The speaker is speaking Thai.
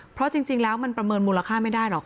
เพราะจริงแล้วมันประเมินมูลค่าไม่ได้หรอก